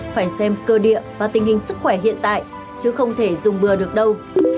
phải xem cơ địa và tình hình sức khỏe hiện tại chứ không thể dùng bừa được đâu